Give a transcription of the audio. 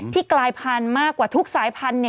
ที่กลายพันธุ์มากกว่าทุกสายพันธุ์